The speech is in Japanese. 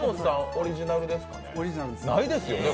オリジナルです。